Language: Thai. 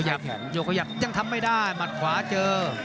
โยกขยักยังทำไม่ได้หมัดขวาเจอ